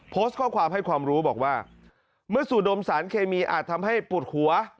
โพสต์ข้อความให้ความรู้บอกว่าเมื่อสูดมสารเคมีอาจทำให้ปวดหัว